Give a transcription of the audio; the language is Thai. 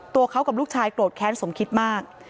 ตัวเขากับลูกชายโกรธแค้นสมคิดมาก